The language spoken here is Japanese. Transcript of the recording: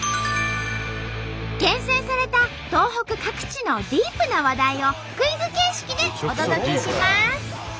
厳選された東北各地のディープな話題をクイズ形式でお届けします。